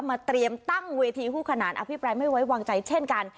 เตรียมตั้งเวทีคู่ขนานอภิปรายไม่ไว้วางใจเช่นกัน